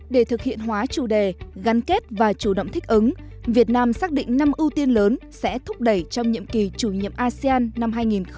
để thực hiện hóa chủ đề gắn kết và chủ động thích ứng việt nam xác định năm ưu tiên lớn sẽ thúc đẩy trong nhiệm kỳ chủ nhiệm asean năm hai nghìn hai mươi